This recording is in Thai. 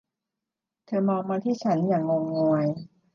เธอมองมาที่ฉัน อย่างงงงวย